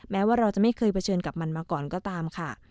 แม้ว่าเราจะไม่เคยเผชิญกับมันมาก่อนก็ตามค่ะ